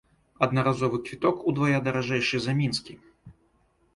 Аднаразовы квіток удвая даражэйшы за мінскі.